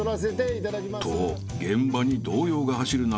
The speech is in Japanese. ［と現場に動揺が走る中